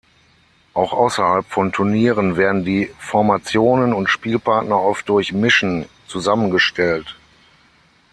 Auch außerhalb von Turnieren werden die Formationen und Spielpartner oft durch "Mischen" zusammengestellt.